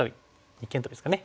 二間トビですかね。